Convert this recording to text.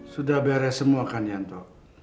sudah beres semua kan yanto